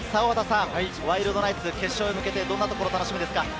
ワイルドナイツ、決勝へ向けて、どんなところが楽しみですか？